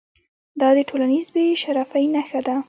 دا د ټولنیز بې شرفۍ نښه ده.